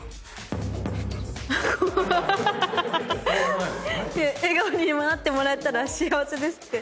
「笑顔になってもらえたら幸せです」って。